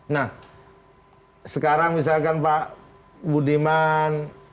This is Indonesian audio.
nah sekarang misalkan pak budiman